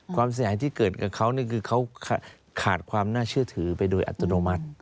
ความเสียหายที่เกิดกับเขานี่คือเขาขาดความน่าเชื่อถือไปโดยอัตโนมัติ